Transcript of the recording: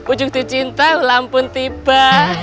ujung itu cinta ulang pun tiba